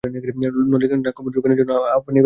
নলিনাক্ষবাবু, যোগেনের জন্য আপনি ব্যস্ত হইবেন না।